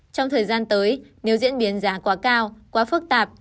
trong thời gian tới nếu diễn biến giá quá cao quá phức tạp